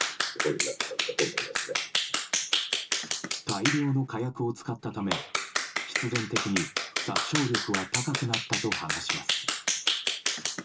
大量の火薬を使ったため必然的に殺傷力は高くなったと話します。